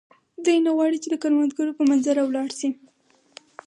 دی نه غواړي چې د کروندګرو په منظره ولاړ شي.